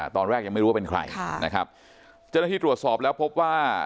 ตอนแรกยังไม่รู้ว่าเป็นใครนะครับเจ้าหน้าที่ตรวจสอบแล้วพบว่า